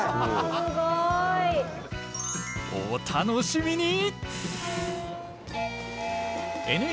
お楽しみに！